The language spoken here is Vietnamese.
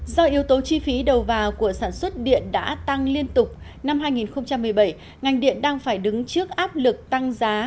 do yếu tố chi phí đầu vào của sản xuất điện đã tăng liên tục năm hai nghìn một mươi bảy ngành điện đang phải đứng trước áp lực tăng giá